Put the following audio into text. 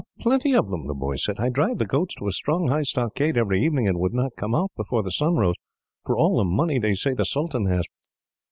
"Plenty of them," the boy said. "I drive the goats to a strong, high stockade every evening; and would not come out, before the sun rose, for all the money they say the sultan has.